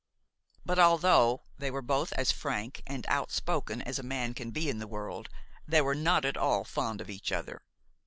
But, although they were both as frank and outspoken as a man can be in the world, they were not at all fond of each other.